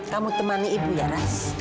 kamu temani ibu ya ras